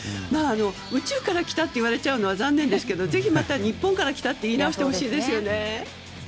宇宙から来たと言われちゃうのは残念ですけどぜひまた日本から来たって言い直してほしいですよね。